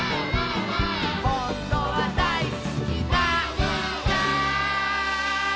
「ほんとはだいすきなんだ」